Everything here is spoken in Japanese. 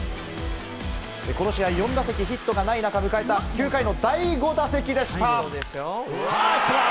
この試合、４打席ヒットがない中迎えた９回の第５打席でした。